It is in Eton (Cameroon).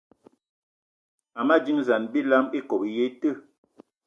Ama dínzan bilam íkob í yé í te